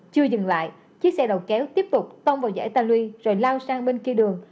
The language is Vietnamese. chưa dừng lại chiếc xe đậu kéo tiếp tục tông vào giải taluy rồi lao sang bên kia đường